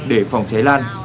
để phòng cháy lan